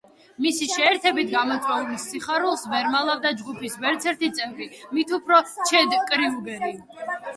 მისი შეერთებით გამოწვეულ სიხარულს ვერ მალავდა ჯგუფის ვერც ერთი წევრი, მით უფრო ჩედ კრიუგერი.